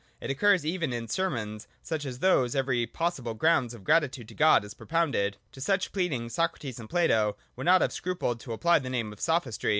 It occurs even in sermons, such as those where every pos sible ground of gratitude to God is propounded. To such pleading Socrates and Plato would not have scrupled to apply the name of Sophistry.